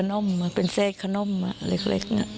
ขนมเป็นเซ็ทขนมลักละ